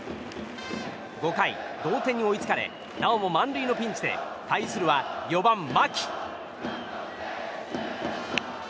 ５回、同点に追いつかれなおも満塁のピンチで対するは４番、牧。